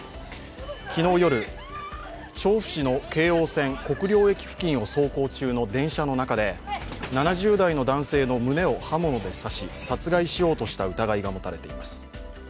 昨日夜、調布市の京王線・国領駅付近を走行中の電車の中で７０代の男性の胸を刃物で刺し殺害しようとした疑いが持たれています。